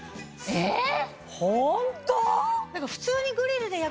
えっ！